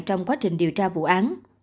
trong quá trình điều tra vụ án